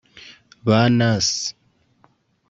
ba Nas